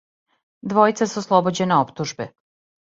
Двојица су ослобођена оптужбе.